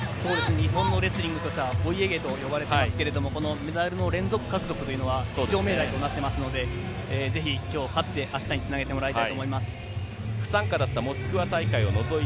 日本のレスリングとしてはお家芸と呼ばれていますけれど、メダルの連続獲得は出場命題となっていますので、ぜひ今日勝って明日につなげてもらいたい。